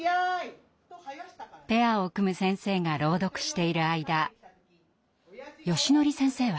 ペアを組む先生が朗読している間よしのり先生は。